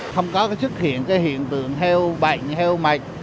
không có xuất hiện cái hiện tượng heo bệnh heo mạch